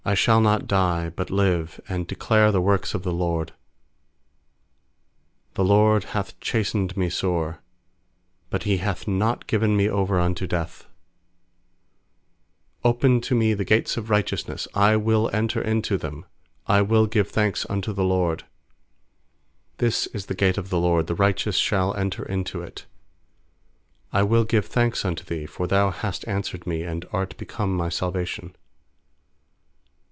17I shall not die, but live, And declare the works of the LORD. 18The LORD hath chastened me sore; But He hath not given me over unto death. 190pen to me the gates of righteous I will enter into them, I will give thanks unto the LORD. 20This is the gate of the LORD; The righteous shall enter into it. S61 118 21 PSALMS 21I will give thanks unto Thee, for Thou hast answered me, And art become my salvation.